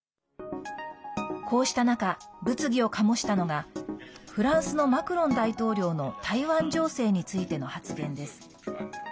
こうした中物議を醸したのがフランスのマクロン大統領の台湾情勢についての発言です。